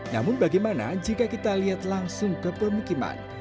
namun bagaimana jika kita lihat langsung ke permukiman